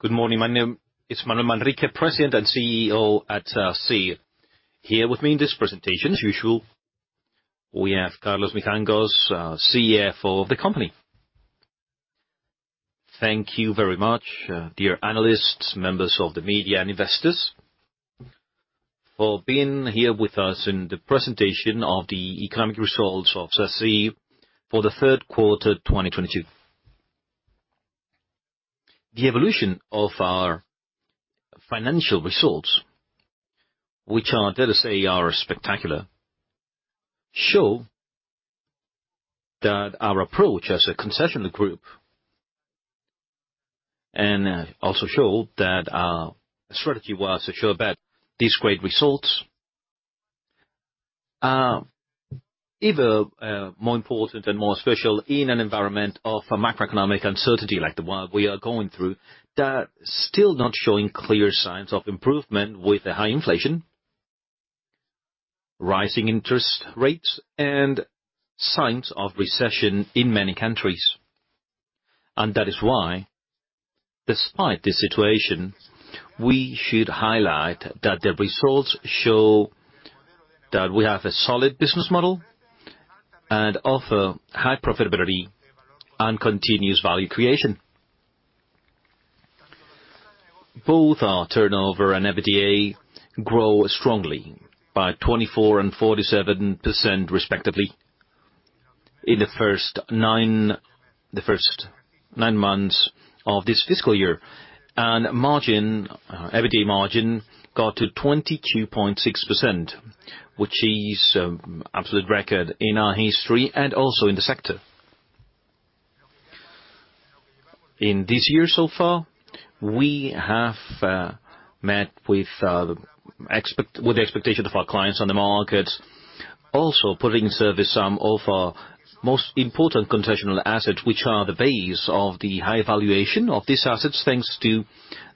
Good morning. My name is Manuel Manrique, President and CEO at Sacyr. Here with me in this presentation, as usual, we have Carlos Mijangos, our CFO of the company. Thank you very much, dear analysts, members of the media and investors for being here with us in the presentation of the economic results of Sacyr for the third quarter, 2022. The evolution of our financial results, which are, dare to say, spectacular, show that our approach as a concessional group, and also show that our strategy was to show that these great results are even more important and more special in an environment of a macroeconomic uncertainty like the one we are going through, that still not showing clear signs of improvement with the high inflation, rising interest rates, and signs of recession in many countries. That is why, despite the situation, we should highlight that the results show that we have a solid business model and offer high profitability and continuous value creation. Both our turnover and EBITDA grow strongly by 24% and 47% respectively in the first nine months of this fiscal year. EBITDA margin got to 22.6%, which is absolute record in our history and also in the sector. In this year so far, we have met the expectation of our clients on the market. Also putting into service some of our most important concession assets which are the base of the high valuation of these assets, thanks to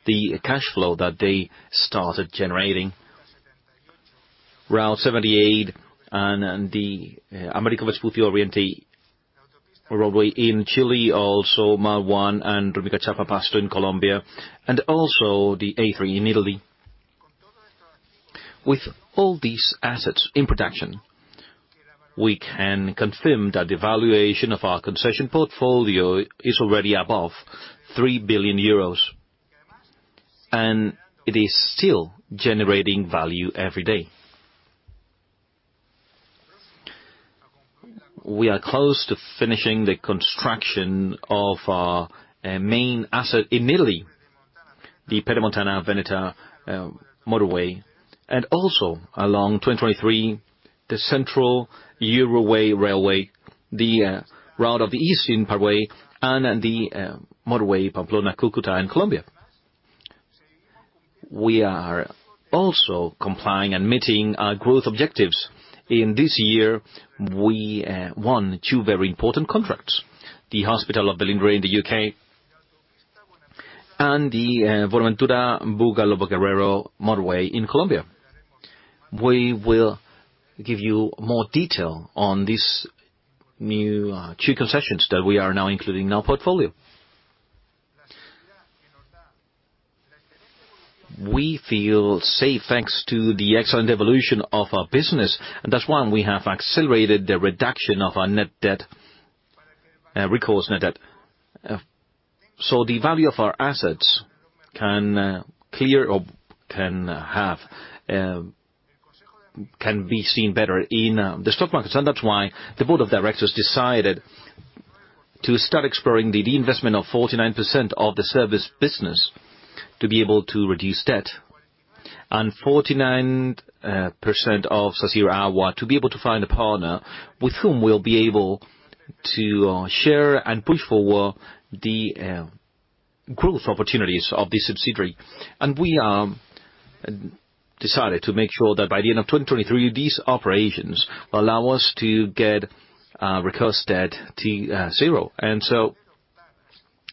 the cash flow that they started generating. Route 78 and the Américo Vespucio Oriente highway in Chile, also Autopista al Mar 1 and Rumichaca-Pasto in Colombia, and also the A3 in Italy. With all these assets in production, we can confirm that the valuation of our concession portfolio is already above 3 billion euros, and it is still generating value every day. We are close to finishing the construction of our main asset in Italy, the Pedemontana Veneta motorway, and also in 2023, the Ferrocarril Central, the Rutas del Este in Paraguay, and the motorway Pamplona-Cúcuta in Colombia. We are also complying and meeting our growth objectives. In this year, we won two very important contracts, the Velindre Hospital in the U.K. and the Buenaventura-Buga motorway in Colombia. We will give you more detail on these new two concessions that we are now including in our portfolio. We feel safe thanks to the excellent evolution of our business, and that's why we have accelerated the reduction of our net debt, recourse net debt, so the value of our assets can be seen better in the stock market. That's why the board of directors decided to start exploring the disinvestment of 49% of the service business to be able to reduce debt, and 49% of Sacyr Agua to be able to find a partner with whom we'll be able to share and push forward the growth opportunities of this subsidiary. We decided to make sure that by the end of 2023, these operations allow us to get recourse debt to zero.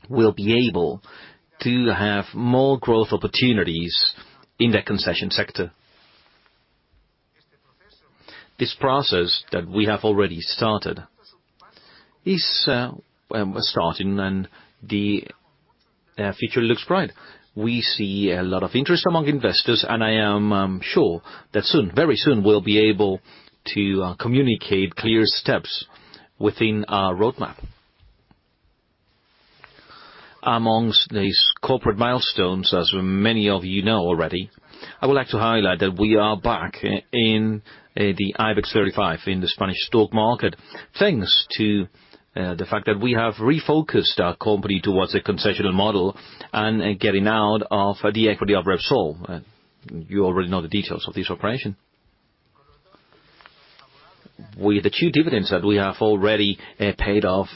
We'll be able to have more growth opportunities in the concession sector. This process that we have already started is starting, and the future looks bright. We see a lot of interest among investors, and I am sure that soon, very soon, we'll be able to communicate clear steps within our roadmap. Among these corporate milestones, as many of you know already, I would like to highlight that we are back in the IBEX 35 in the Spanish stock market, thanks to the fact that we have refocused our company towards a concession model and getting out of the equity of Repsol. You already know the details of this operation. With the two dividends that we have already paid off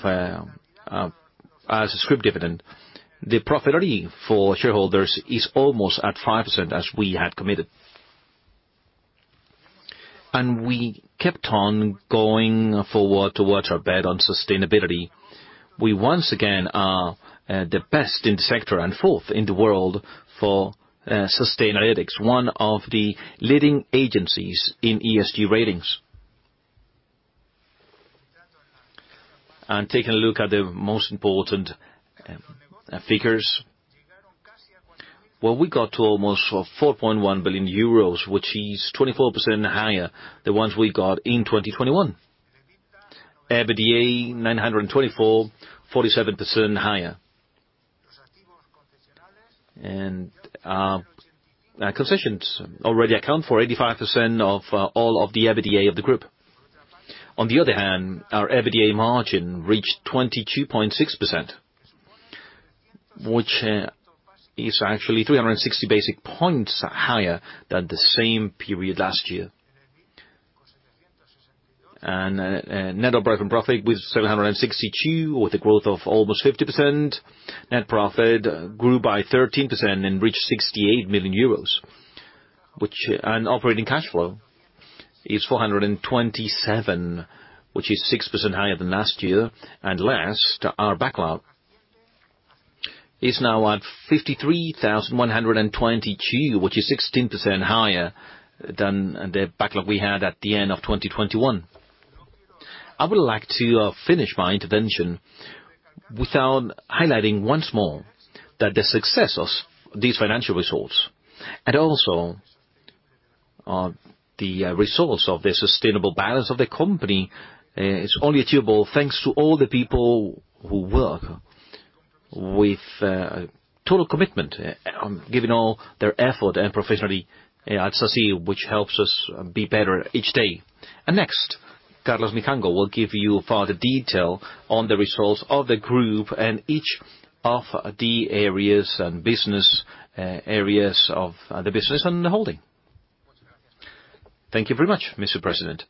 as a scrip dividend, the profitability for shareholders is almost at 5% as we had committed. We kept on going forward towards our bet on sustainability. We once again are the best in the sector and fourth in the world for Sustainalytics, one of the leading agencies in ESG ratings. Taking a look at the most important figures. Well, we got to almost 4.1 billion euros, which is 24% higher than the ones we got in 2021. EBITDA EUR 924 million, 47% higher. Our concessions already account for 85% of all of the EBITDA of the group. On the other hand, our EBITDA margin reached 22.6%, which is actually 360 basis points higher than the same period last year. Net operating profit with 762 million, with a growth of almost 50%. Net profit grew by 13% and reached 68 million euros. Operating cash flow is 427 million, which is 6% higher than last year. Last, our backlog is now at 53,122, which is 16% higher than the backlog we had at the end of 2021. I would like to finish my intervention without highlighting once more that the success of these financial results, and also, the results of the sustainable balance of the company, is only achievable thanks to all the people who work with total commitment, giving all their effort and professionally at Sacyr, which helps us be better each day. Next, Carlos Mijangos will give you further detail on the results of the group and each of the areas and business areas of the business and the holding. Thank you very much, Mr. President.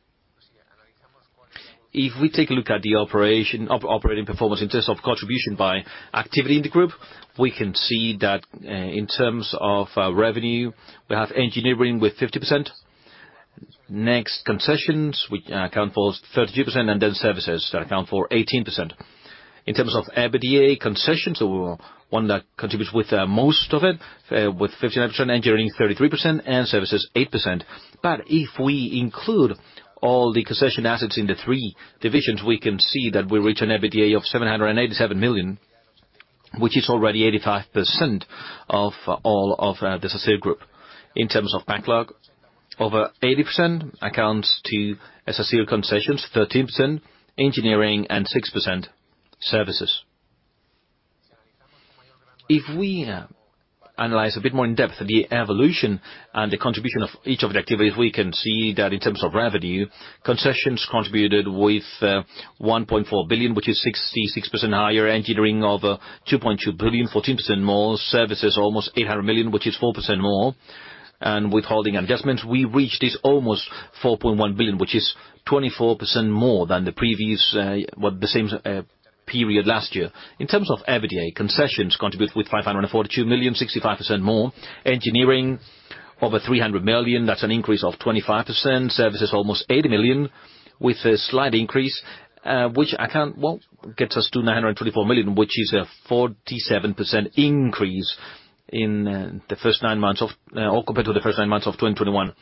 If we take a look at the operating performance in terms of contribution by activity in the group, we can see that, in terms of revenue, we have engineering with 50%. Next, concessions, which account for 32%, and then services that account for 18%. In terms of EBITDA, concessions are one that contributes with most of it with 59%, engineering 33%, and services 8%. If we include all the concession assets in the three divisions, we can see that we reach an EBITDA of 787 million, which is already 85% of all of the Sacyr Group. In terms of backlog, over 80% accounts to Sacyr concessions, 13% engineering, and 6% services. If we analyze a bit more in depth the evolution and the contribution of each of the activities, we can see that in terms of revenue, concessions contributed with 1.4 billion, which is 66% higher. Engineering over 2.2 billion, 14% more. Services almost 800 million, which is 4% more. With holding adjustments, we reached this almost 4.1 billion, which is 24% more than the previous, the same period last year. In terms of EBITDA, concessions contribute with 542 million, 65% more. Engineering over 300 million, that's an increase of 25%. Service is almost 80 million with a slight increase, which gets us to 924 million, which is a 47% increase in the first nine months or compared to the first nine months of 2021.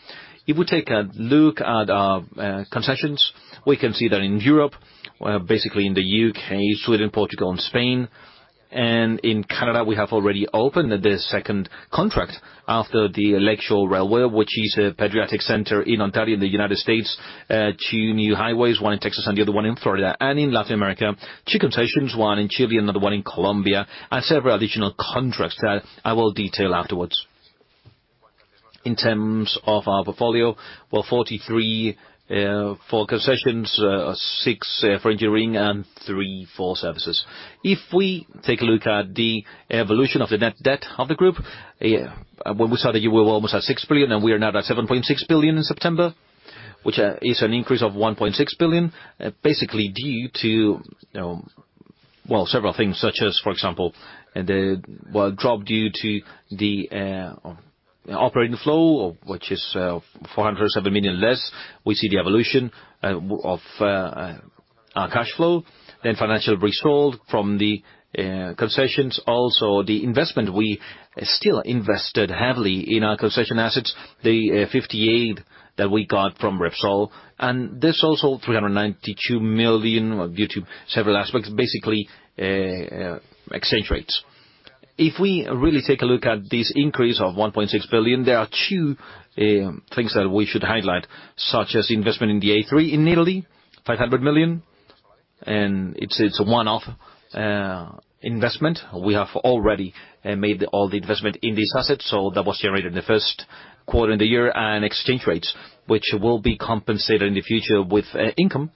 If we take a look at concessions, we can see that in Europe, basically in the UK, Sweden, Portugal, and Spain, and in Canada, we have already opened the second contract after the Eglinton Crosstown, which is a pediatric center in Ontario. In the United States, two new highways, one in Texas and the other one in Florida. In Latin America, two concessions, one in Chile, another one in Colombia, and several additional contracts that I will detail afterwards. In terms of our portfolio, well, 43 for concessions, 6 for engineering, and 3 for services. If we take a look at the evolution of the net debt of the group, when we started the year, we were almost at 6 billion, and we are now at 7.6 billion in September, which is an increase of 1.6 billion. Basically due to, you know, several things such as, for example, the drop due to the operating flow, which is 470 million less. We see the evolution of our cash flow, then financial results from the concessions. Also the investment, we still invested heavily in our concession assets, the 58 million that we got from Repsol. There's also 392 million due to several aspects, basically, exchange rates. If we really take a look at this increase of 1.6 billion, there are two things that we should highlight, such as investment in the A3 in Italy, 500 million. It's a one-off investment. We have already made all the investment in this asset, so that was generated in the first quarter of the year. Exchange rates, which will be compensated in the future with income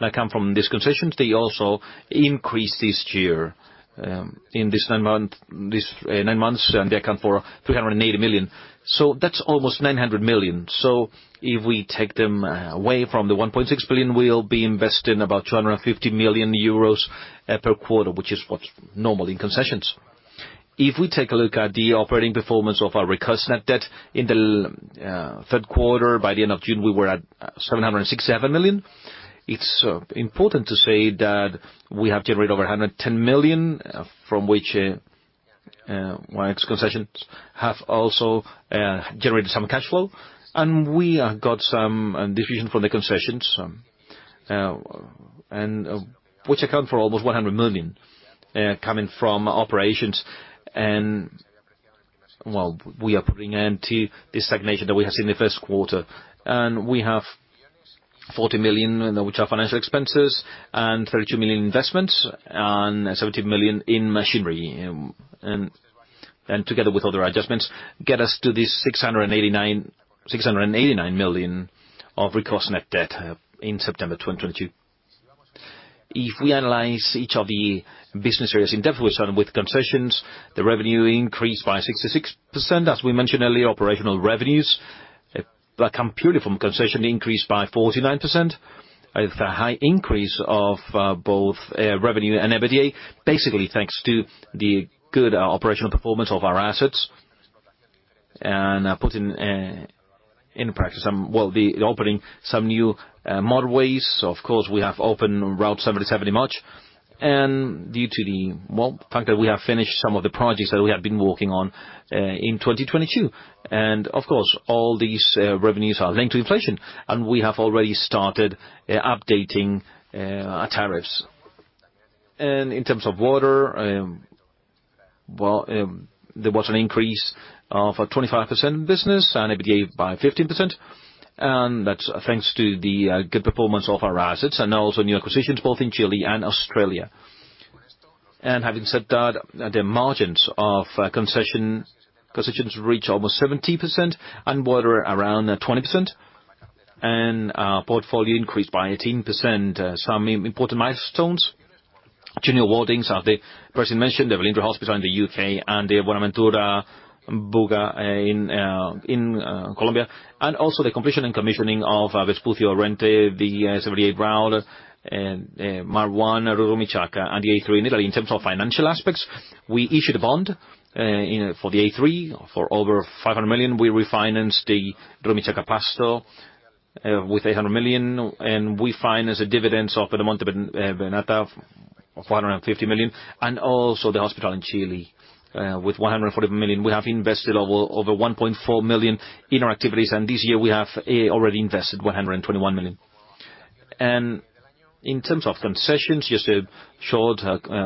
that come from these concessions. They also increased this year in this nine months, and they account for 380 million. That's almost 900 million. If we take them away from the 1.6 billion, we'll be investing about 250 million euros per quarter, which is what's normal in concessions. If we take a look at the operating performance of our recourse net debt in the third quarter, by the end of June, we were at 767 million. It's important to say that we have generated over 110 million, from which, while its concessions have also generated some cash flow. We have got some contribution from the concessions, which account for almost 100 million coming from operations. We are putting an end to this stagnation that we have seen in the first quarter. We have 40 million, which are financial expenses, and 32 million investments, and 17 million in machinery. Together with other adjustments, get us to this 689 million of recourse net debt in September 2022. If we analyze each of the business areas in depth, we've started with concessions. The revenue increased by 66%. As we mentioned earlier, operational revenues that come purely from concession increased by 49%. A high increase of both revenue and EBITDA, basically thanks to the good operational performance of our assets. Putting into practice the opening some new motorways. Of course, we have opened Route 78 in March. Due to the fact that we have finished some of the projects that we have been working on in 2022. Of course, all these revenues are linked to inflation, and we have already started updating our tariffs. In terms of water, there was an increase of a 25% in business and EBITDA by 15%. That's thanks to the good performance of our assets and also new acquisitions both in Chile and Australia. Having said that, the margins of concessions reach almost 70% and water around 20%. Our portfolio increased by 18%. Some important milestones. Major awards in the period mentioned, the Velindre Hospital in the UK and the Buenaventura-Buga in Colombia. Also the completion and commissioning of Vespucio Oriente, the Route 78, Mar 1, Rumichaca-Pasto, and the A3 in Italy. In terms of financial aspects, we issued a bond for the A3 for over 500 million. We refinanced the Rumichaca-Pasto with 800 million, and we financed the dividends of Pedemontana Veneta of 450 million, and also the hospital in Chile with 145 million. We have invested over 1.4 billion in our activities, and this year we have already invested 121 million. In terms of concessions, just a short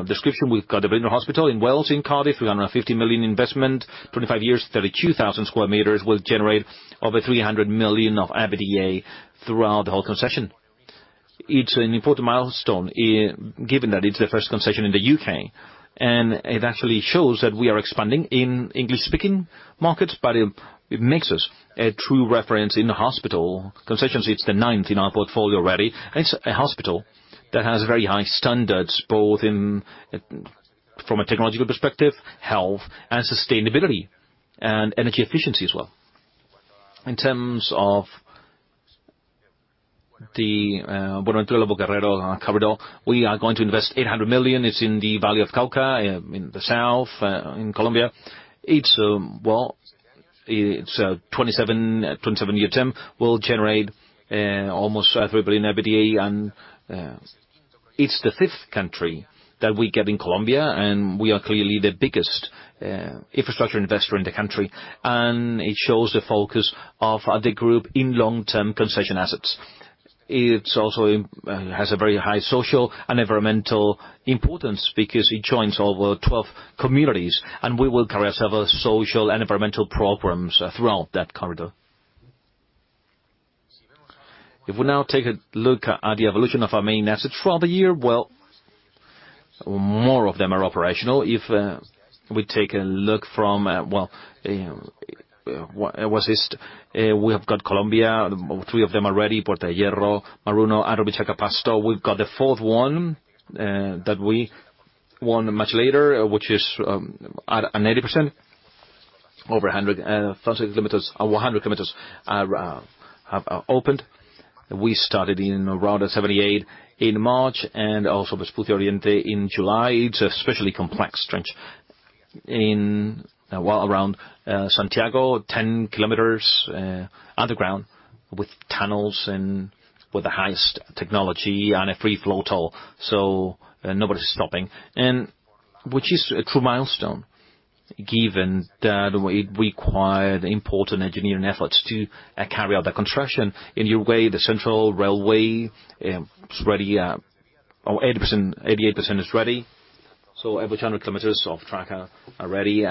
description. We've got the Velindre Hospital in Wales, in Cardiff, 350 million investment, 25 years, 32,000 sq m, will generate over 300 million of EBITDA throughout the whole concession. It's an important milestone given that it's the first concession in the U.K., and it actually shows that we are expanding in English-speaking markets, but it makes us a true reference in the hospital concessions. It's the ninth in our portfolio already. It's a hospital that has very high standards, both in from a technological perspective, health and sustainability, and energy efficiency as well. In terms of the Buenaventura-Buga corridor, we are going to invest 800 million. It's in the Valle del Cauca in the south in Colombia. It's a 27-year term, will generate almost 400 million in EBITDA. It's the fifth country that we get in Colombia, and we are clearly the biggest infrastructure investor in the country. It shows the focus of the group in long-term concession assets. It also has a very high social and environmental importance because it joins over 12 communities, and we will carry out several social and environmental programs throughout that corridor. If we now take a look at the evolution of our main assets for the year, well, more of them are operational. If we take a look from west, we have got Colombia, three of them already, Puerta de Hierro, Mar 1, and Rumichaca-Pasto. We've got the fourth one that we won much later, which is at 80%. Over 100,000 km, 100 km have opened. We started in Route 78 in March and also Vespucio Oriente in July. It's an especially complex stretch around Santiago, 10 km underground, with tunnels and with the highest technology and a free-flow toll, so nobody's stopping. Which is a true milestone, given that it required important engineering efforts to carry out the construction. In Uruguay, the Ferrocarril Central is ready. 88% is ready, so every 100 km of track are ready.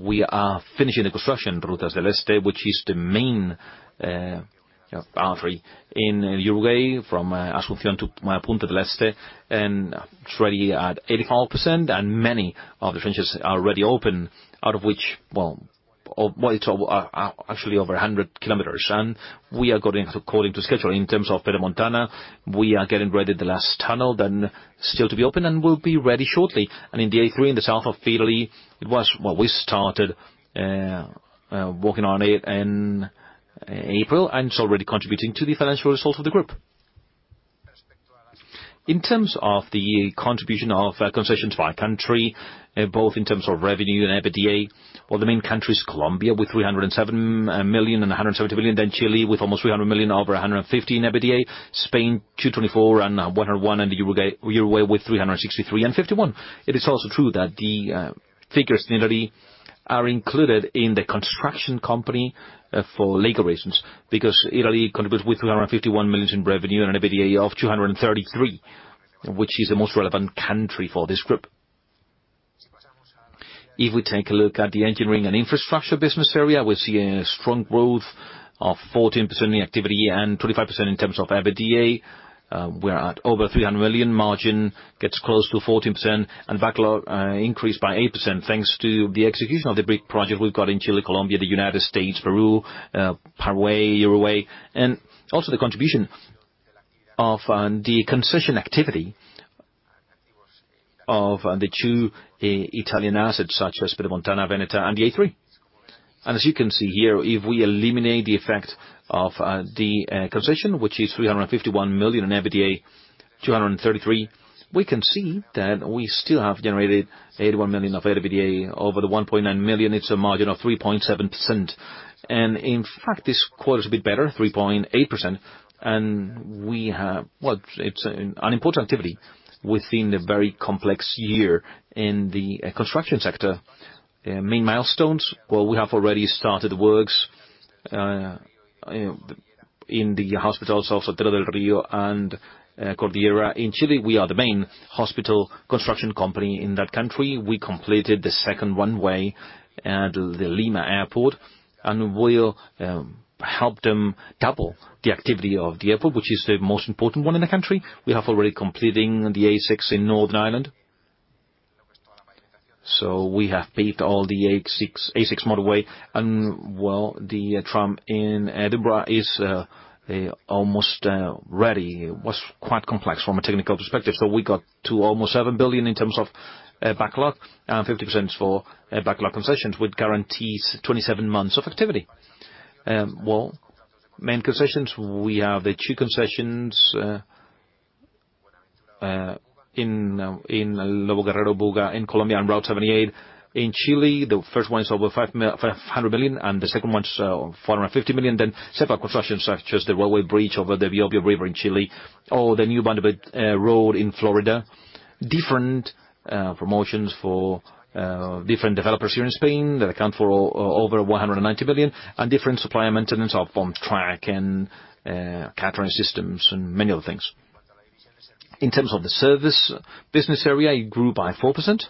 We are finishing the construction Rutas del Este, which is the main artery in Paraguay from Asunción to Punta del Este, and it's ready at 84%. Many of the trenches are already open, out of which it's actually over 100 km. We are going according to schedule. In terms of Pedemontana, we are getting ready the last tunnel then still to be open and will be ready shortly. In the A3, in the south of Italy, well, we started working on it in April, and it's already contributing to the financial results of the group. In terms of the contribution of concessions by country, both in terms of revenue and EBITDA, well, the main country is Colombia with 307 million and 170 million, then Chile with almost 300 million, over 150 million in EBITDA. Spain, 224 million and 101 million, and Uruguay with 363 million and 51 million. It is also true that the figures in Italy are included in the construction company for legal reasons, because Italy contributes with around 51 million in revenue and an EBITDA of 233 million, which is the most relevant country for this group. If we take a look at the engineering and infrastructure business area, we're seeing a strong growth of 14% in activity and 25% in terms of EBITDA. We're at over 300 million. Margin gets close to 14% and backlog increased by 8% thanks to the execution of the big project we've got in Chile, Colombia, the United States, Peru, Paraguay, Uruguay, and also the contribution of the concession activity of the two Italian assets, such as Pedemontana Veneta and the A3. As you can see here, if we eliminate the effect of the concession, which is 351 million in EBITDA, 233 million, we can see that we still have generated 81 million of EBITDA over the 1.9 million. It's a margin of 3.7%. In fact, this quarter is a bit better, 3.8%. We have well, it's an important activity within the very complex year in the construction sector. Main milestones, well, we have already started works in the hospitals of Teruel, Rio and Cordillera. In Chile, we are the main hospital construction company in that country. We completed the second runway at the Lima Airport, and we'll help them double the activity of the airport, which is the most important one in the country. We have already completing the A6 in Northern Ireland. We have paid all the A6 motorway. The tram in Edinburgh is almost ready. It was quite complex from a technical perspective. We got to almost 7 billion in terms of backlog and 50% for backlog concessions, which guarantees 27 months of activity. Main concessions, we have the two concessions in Buenaventura-Buga in Colombia and Route 78 in Chile. The first one is over 500 million, and the second one's 450 million. Separate constructions, such as the railway bridge over the Biobío River in Chile or the new roundabout road in Florida. Different promotions for different developers here in Spain that account for over 190 million, and different supplier maintenance of on track and catering systems and many other things. In terms of the service business area, it grew by 4%.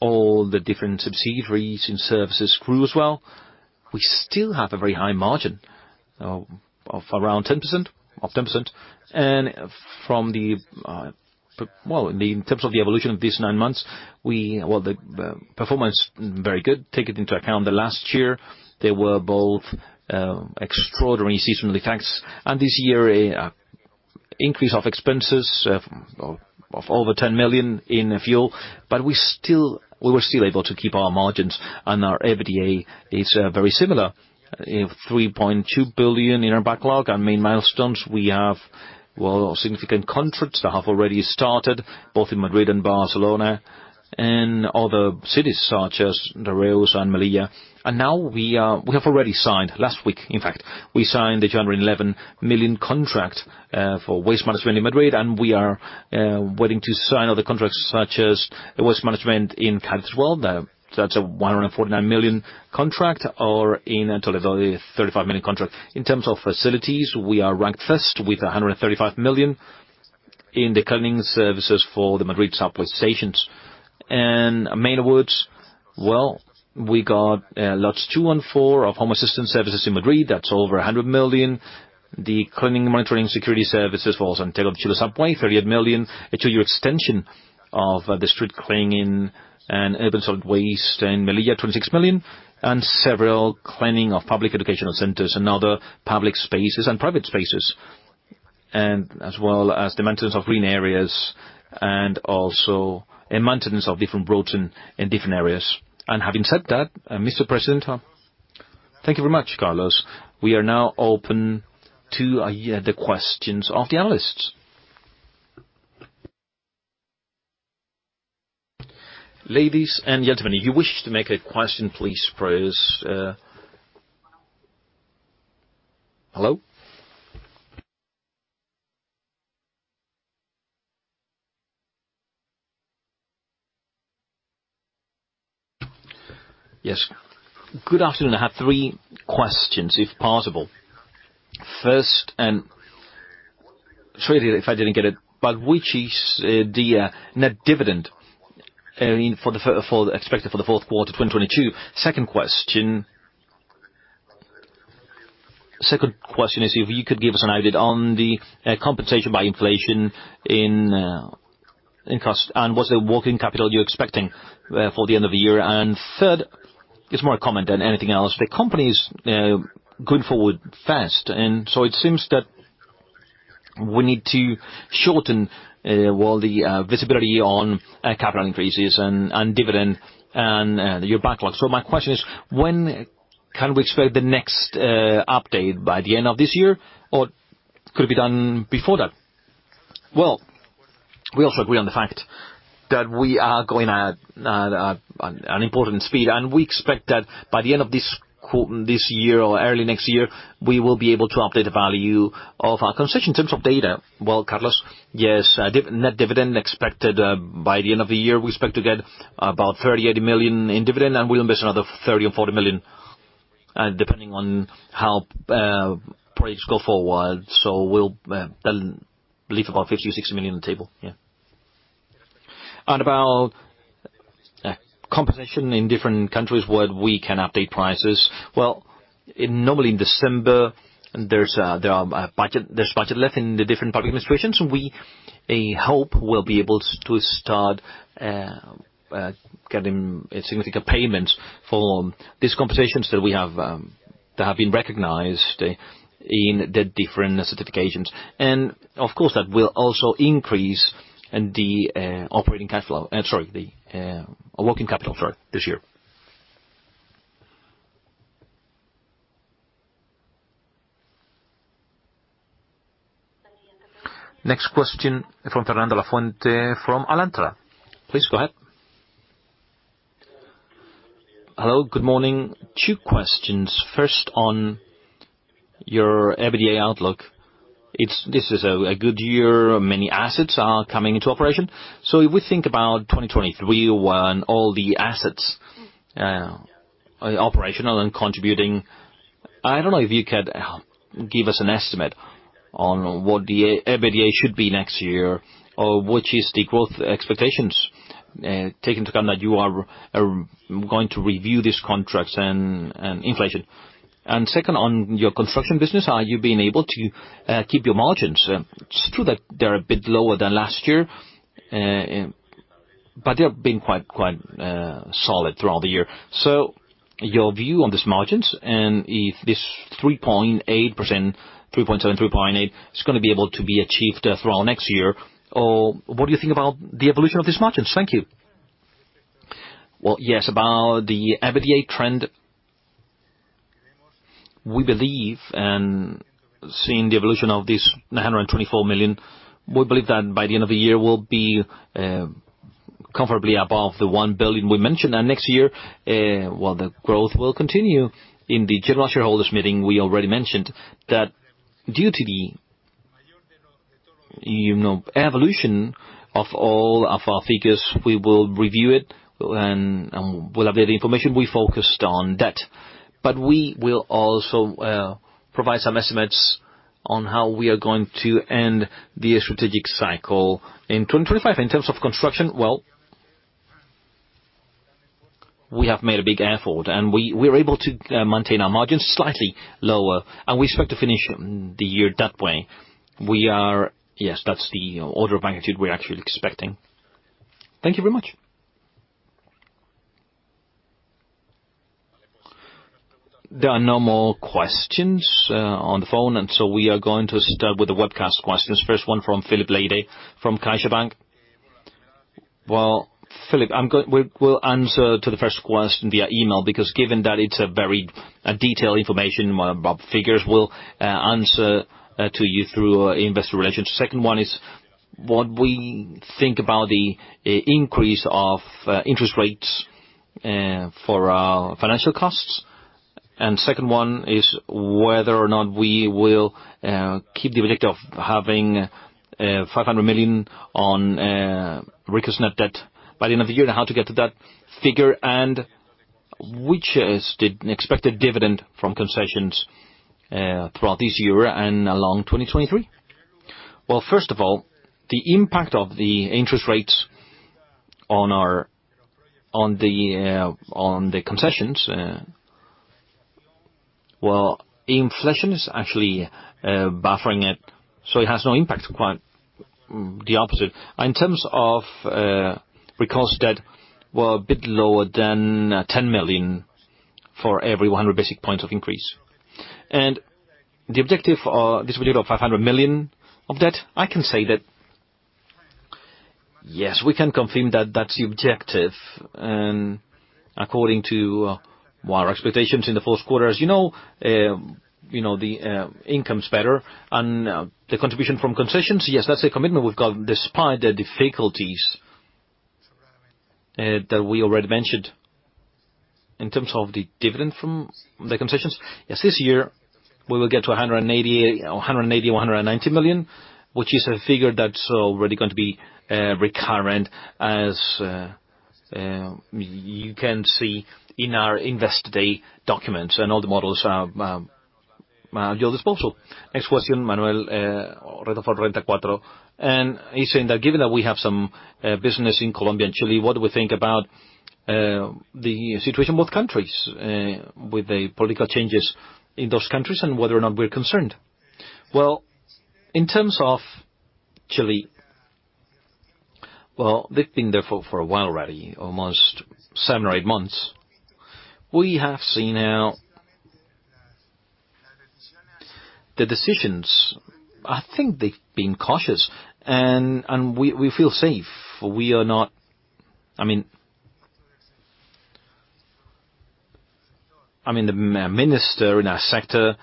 All the different subsidiaries in services grew as well. We still have a very high margin of around 10%. In terms of the evolution of these nine months, the performance very good. Take it into account that last year there were both extraordinary seasonal taxes, and this year an increase of expenses of over 10 million in fuel, but we were able to keep our margins and our EBITDA is very similar. 3.2 billion in our backlog and main milestones. We have, well, significant contracts that have already started both in Madrid and Barcelona and other cities such as Tres Cantos and Melilla. Now we have already signed, last week, in fact, we signed the 11 million contract for waste management in Madrid, and we are waiting to sign other contracts such as the waste management in Cádiz. That's a 149 million contract or in Melilla 35 million contract. In terms of facilities, we are ranked first with 135 million in the cleaning services for the Madrid subway stations. Main awards, well, we got lots two and four of home assistant services in Madrid. That's over 100 million. The cleaning, monitoring, security services for Santelmo de la Sabana, 38 million. A two-year extension of the street cleaning and urban solid waste in Melilla, 26 million, and several cleaning of public educational centers and other public spaces and private spaces. As well as the maintenance of green areas and also a maintenance of different roads in different areas. Having said that, Mr. President. Thank you very much, Carlos. We are now open to the questions of the analysts. Ladies and gentlemen, you wish to make a question, please raise. Hello? Yes. Good afternoon. I have three questions, if possible. First, sorry if I didn't get it, but which is the net dividend expected for the fourth quarter 2022? Second question is if you could give us an idea on the compensation by inflation in cost, and what's the working capital you're expecting for the end of the year? Third, it's more a comment than anything else. The company's going forward fast, and so it seems that we need to shorten, well, the visibility on capital increases and dividend and your backlog. My question is when can we expect the next update, by the end of this year, or could it be done before that? Well, we also agree on the fact that we are going at an important speed, and we expect that by the end of this year or early next year, we will be able to update the value of our concession. In terms of data, well, Carlos, yes, net dividend expected by the end of the year, we expect to get about 38 million in dividend, and we'll invest another 30 million or 40 million depending on how projects go forward. We'll leave about 50 million or 60 million on the table, yeah. About compensation in different countries where we can update prices. Well, normally in December, there's budget left in the different public administrations. We hope we'll be able to start getting significant payments from these compensations that we have that have been recognized in the different certifications. And of course, that will also increase the operating cash flow, sorry, the working capital, sorry, this year. Next question from Fernando Lafuente from Alantra. Please go ahead. Hello, good morning. Two questions. First, on your EBITDA outlook. It's a good year. Many assets are coming into operation. If we think about 2023, when all the assets are operational and contributing, I don't know if you could give us an estimate on what the EBITDA should be next year or what is the growth expectations, take into account that you are going to review these contracts and inflation. Second, on your construction business, are you being able to keep your margins? It's true that they're a bit lower than last year, but they have been quite solid throughout the year. Your view on these margins, and if this 3.8%, 3.7%, 3.8% is gonna be able to be achieved throughout next year? Or what do you think about the evolution of these margins? Thank you. Well, yes, about the EBITDA trend, we believe, and seeing the evolution of this 924 million, we believe that by the end of the year, we'll be comfortably above the 1 billion we mentioned. Next year, well, the growth will continue. In the general shareholders meeting, we already mentioned that due to the, you know, evolution of all of our figures, we will review it and we'll have the information. We focused on debt, but we will also provide some estimates on how we are going to end the strategic cycle in 2025. In terms of construction, well, we have made a big effort, and we are able to maintain our margins slightly lower, and we expect to finish the year that way. We are, yes, that's the order of magnitude we're actually expecting. Thank you very much. There are no more questions on the phone, and so we are going to start with the webcast questions. First one from Filipe Leite from CaixaBank. Well, Filipe, we'll answer the first question via email, because given that it's a very detailed information about figures, we'll answer to you through investor relations. Second one is what we think about the increase of interest rates for our financial costs. Second one is whether or not we will keep the objective of having 500 million on recourse net debt by the end of the year, and how to get to that figure, and which is the expected dividend from concessions throughout this year and along 2023. Well, first of all, the impact of the interest rates on our concessions, well, inflation is actually buffering it, so it has no impact. Quite the opposite. In terms of recourse debt, we're a bit lower than 10 million for every 100 basis points of increase. The objective of this 1.5 billion of debt, I can say that, yes, we can confirm that that's the objective, according to our expectations in the fourth quarter. As you know, you know the income's better and the contribution from concessions, yes, that's a commitment we've got despite the difficulties that we already mentioned. In terms of the dividend from the concessions, yes, this year we will get to 180 million-190 million, which is a figure that's already going to be recurrent as you can see in our investor day documents. All the models are at your disposal. Next question, Manuel Reig, Renta 4, and he's saying that given that we have some business in Colombia and Chile, what do we think about the situation in both countries with the political changes in those countries and whether or not we're concerned? In terms of Chile, they've been there for a while already, almost seven or eight months. We have seen the decisions. I think they've been cautious and we feel safe. We are not. I mean. I mean, the Minister in our sector,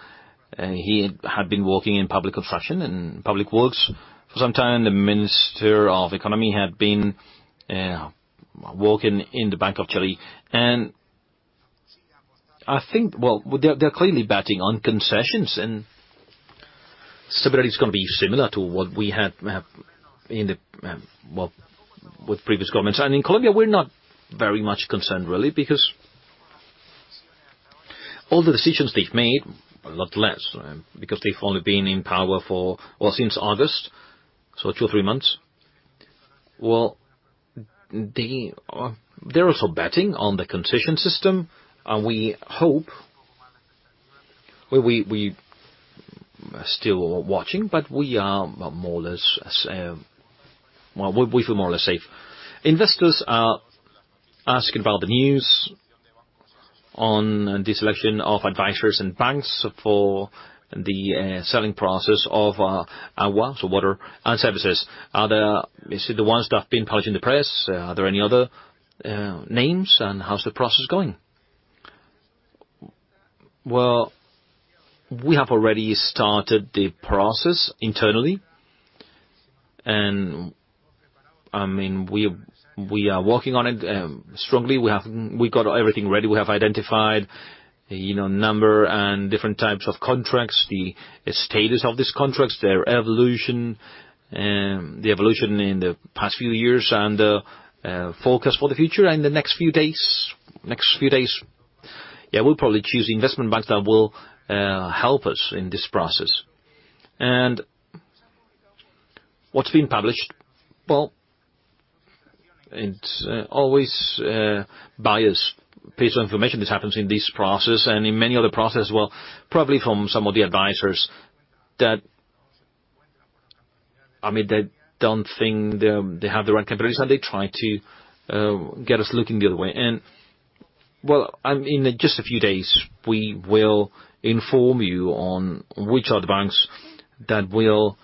he had been working in public infrastructure and public works for some time. The Minister of Economy had been working in the Banco de Chile. I think, well, they're clearly betting on concessions and stability is gonna be similar to what we had, with previous governments. In Colombia, we're not very much concerned really because all the decisions they've made, a lot less, because they've only been in power for two, three months. Well, they're also betting on the concession system. We hope. Well, we are still watching, but we are more or less, well, we feel more or less safe. Investors are asking about the news on the selection of advisors and banks for the selling process of agua, so water and services. Is it the ones that have been published in the press? Are there any other names, and how's the process going? Well, we have already started the process internally. I mean, we are working on it strongly. We got everything ready. We have identified, you know, number and different types of contracts, the status of these contracts, their evolution, the evolution in the past few years and the forecast for the future. In the next few days, we'll probably choose the investment banks that will help us in this process. What's been published? Well, it's always biased piece of information. This happens in this process and in many other process. Well, probably from some of the advisors that I mean, they don't think they have the right competitors, and they try to get us looking the other way. Well, I mean, in just a few days we will inform you on which are the banks that will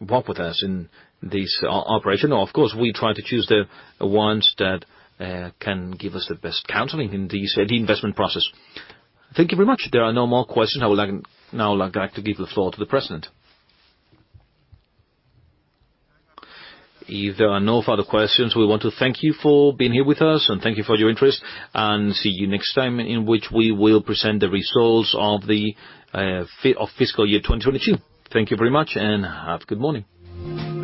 work with us in this operation. Of course, we try to choose the ones that can give us the best counseling in this the investment process. Thank you very much. There are no more questions. Now, I would like to give the floor to the president. If there are no further questions, we want to thank you for being here with us, and thank you for your interest, and see you next time in which we will present the results of fiscal year 2022. Thank you very much and have a good morning.